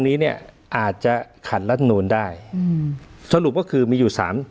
นี้เนี้ยอาจจะขัดรัฐมนูลได้อืมสรุปก็คือมีอยู่สาม